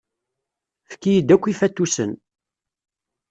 Efk-iyi-d akk ifatusen.